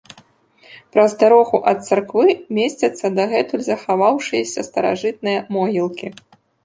Праз дарогу ад царквы месцяцца дагэтуль захаваўшыяся старажытныя могілкі.